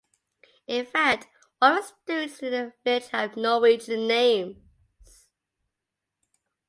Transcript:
In fact, all of the streets in the village have Norwegian names.